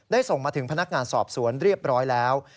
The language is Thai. ส่งมาถึงพนักงานสอบสวนเรียบร้อยแล้ว